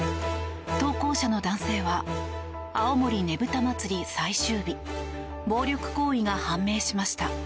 投稿者の男性は青森ねぶた祭最終日暴力行為が判明しました